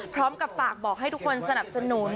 พร้อมกับฝากบอกให้ทุกคนสนับสนุน